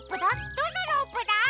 どのロープだ？